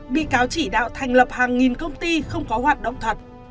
bị cáo chỉ đạo thành lập hàng nghìn công ty không có hoạt động thật